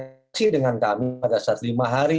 masih dengan kami pada saat lima hari